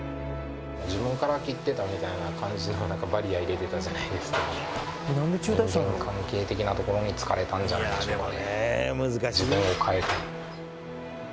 自分から切ってたみたいな感じのバリア入れてたじゃないですけどんじゃないでしょうかね